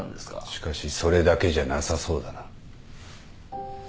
しかしそれだけじゃなさそうだな。